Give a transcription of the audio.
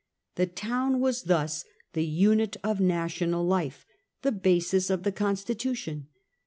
The town was thus the unit of national life, the basis of the constitution.